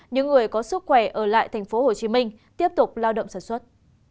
những người có sức khỏe ở lại tp hcm tiếp tục lao động sản xuất